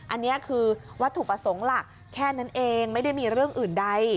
อันนี้คือวัตถุประสงค์หลักแค่นั้นเองไม่ได้มีเรื่องอื่นใด